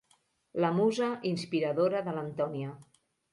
La musa inspiradora de l'Antònia.